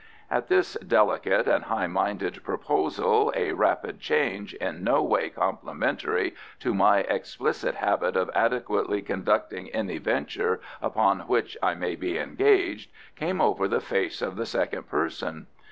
At this delicate and high minded proposal a rapid change, in no way complimentary to my explicit habit of adequately conducting any venture upon which I may be engaged, came over the face of the second person.